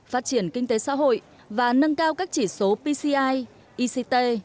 phát triển kinh tế xã hội và nâng cao các chỉ số pci ict